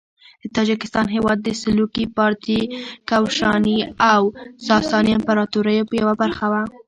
د تاجکستان هیواد د سلوکي، پارتي، کوشاني او ساساني امپراطوریو یوه برخه وه.